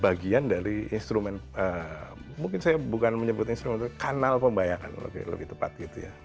bagian dari instrumen mungkin saya bukan menyebut instrumen kanal pembayaran lebih tepat gitu ya